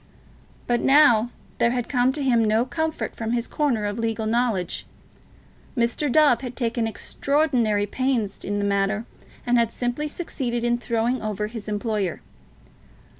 But now there had come to him no comfort from his corner of legal knowledge. Mr. Dove had taken extraordinary pains in the matter, and had simply succeeded in throwing over his employer.